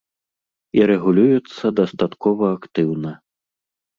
І рэгулюецца дастаткова актыўна.